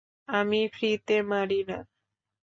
আমি ফ্রীতে মারি না।